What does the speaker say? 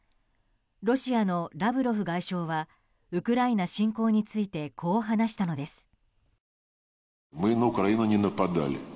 ロシアのラブロフ外相はウクライナ侵攻についてこう話したのです。